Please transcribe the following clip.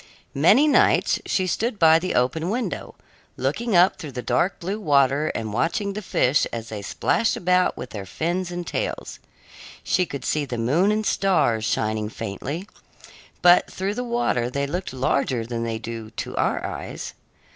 Many nights she stood by the open window, looking up through the dark blue water and watching the fish as they splashed about with their fins and tails. She could see the moon and stars shining faintly, but through the water they looked larger than they do to our eyes.